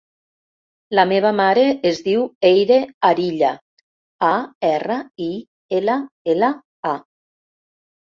La meva mare es diu Eire Arilla: a, erra, i, ela, ela, a.